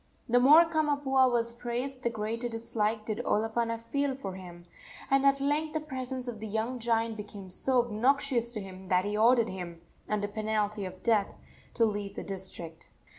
The more Kamapuaa was praised the greater dislike did Olopana feel for him, and at length the presence of the young giant became so obnoxious to him that he ordered him, under penalty of death, to leave the district.